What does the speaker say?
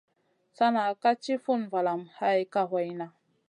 Sana ka ti funa valamu hay kawayna.